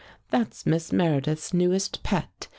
' That's Miss Meredith's newest pet.